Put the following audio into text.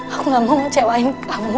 aku gak mau ngecewain kamu